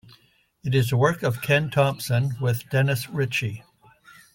It is the work of Ken Thompson with Dennis Ritchie.